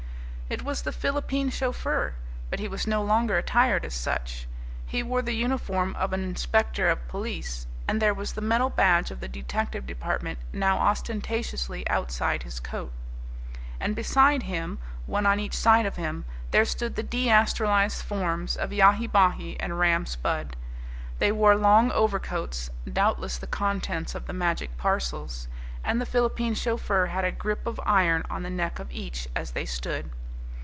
It was the Philippine chauffeur. But he was no longer attired as such. He wore the uniform of an inspector of police, and there was the metal badge of the Detective Department now ostentatiously outside his coat. And beside him, one on each side of him, there stood the deastralized forms of Yahi Bahi and Ram Spudd. They wore long overcoats, doubtless the contents of the magic parcels, and the Philippine chauffeur had a grip of iron on the neck of each as they stood.